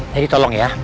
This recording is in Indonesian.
jadi tolong ya